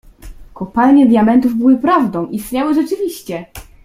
— Kopalnie diamentów były prawdą… istniały rzeczywiście!